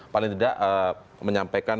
paling tidak menyampaikan